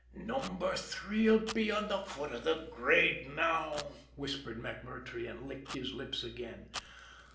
"Number Three 'll be on the foot of the grade now," whispered MacMurtrey, and licked his lips again.